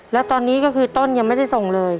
แล้วตอนนี้ก็คือต้นยังไม่ได้ส่งเลย